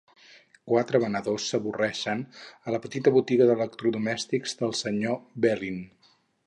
Quatre venedores s'avorreixen a la petita botiga d'electrodomèstics del senyor Belin.